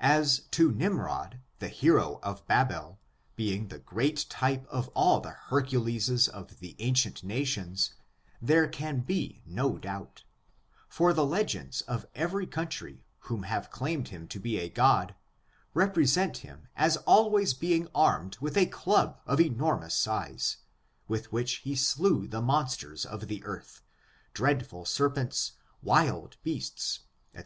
As to Nimrod, the hero of Babel, being the great type of all the Herculeses of the ancient nations, there can be no doubt; for the legends of every country who have claimed him to be a god, represent him as always being armed with a club of enormous size, with which he slew the monsters of the earth — dreadful serpents, wild beasts, &c.